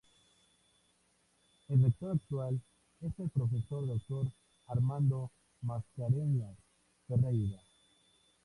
El rector actual es el Profesor Doctor Armando Mascarenhas Ferreira.